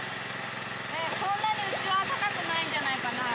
そんなにうちは高くないんじゃないかな。